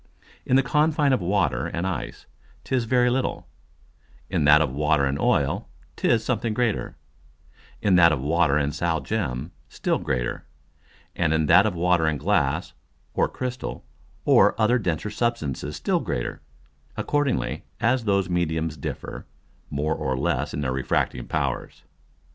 In the Confine of Water and Ice 'tis very little; in that of Water and Oil 'tis something greater; in that of Water and Sal gem still greater; and in that of Water and Glass, or Crystal or other denser Substances still greater, accordingly as those Mediums differ more or less in their refracting Powers.